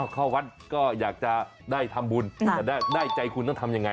เข้าวัดก็อยากจะได้ทำบุญแต่ได้ใจคุณต้องทำยังไง